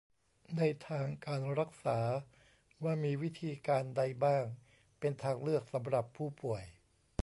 ในทางการรักษา ว่ามีวิธีการใดบ้างเป็นทางเลือกสำหรับผู้ป่วย